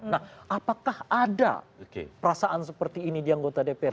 nah apakah ada perasaan seperti ini di anggota dpr